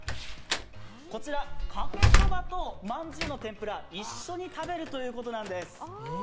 こちら、かけそばとまんじゅうの天ぷら、一緒に食べるということなんです。